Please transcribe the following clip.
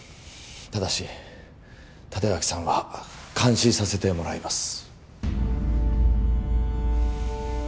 ただし立脇さんは監視させてもらいます